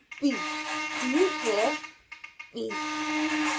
Beef do you hear? beef!"